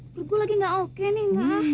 perut gue lagi gak oke nih